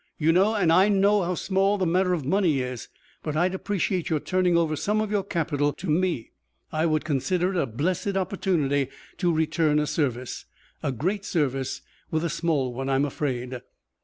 You know and I know how small the matter of money is. But I'd appreciate your turning over some of your capital to me. I would consider it a blessed opportunity to return a service, a great service with a small one, I'm afraid."